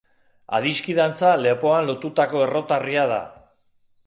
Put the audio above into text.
Adiskidantza lepoan lotutako errotarria da.